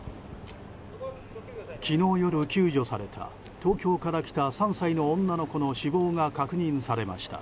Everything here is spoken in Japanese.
昨日夜、救助された東京から来た３歳の女の子の死亡が確認されました。